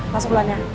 masuk duluan ya